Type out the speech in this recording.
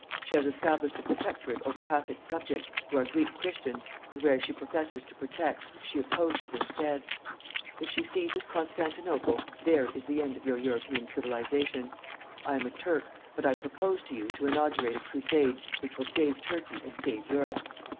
She has established a protectorate over half its subjects, who are Greek Christians, and where she professes to protect, she oppresses instead. If she seizes Constantinople, there is the end of your European civilization. I am a Turk, but I propose to you to inaugurate a crusade which will save Turkey and save Europe.